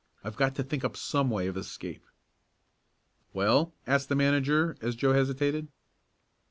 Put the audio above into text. "I've got to think up some way of escape." "Well?" asked the manager as Joe hesitated.